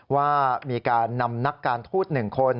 ว่ามีการนำนักการทูต๑คน